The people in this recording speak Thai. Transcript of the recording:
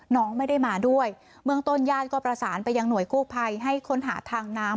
น้องไม่ได้มาด้วยเมืองต้นญาติก็ประสานไปยังหน่วยกู้ภัยให้ค้นหาทางน้ำ